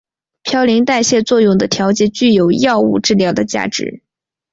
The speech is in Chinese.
嘌呤代谢作用的调节具有药物治疗的价值。